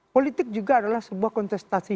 politik juga adalah sebuah kontestasi